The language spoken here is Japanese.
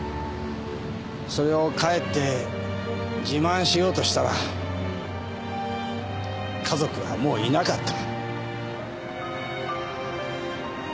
それを帰って自慢しようとしたら家族はもういなかった。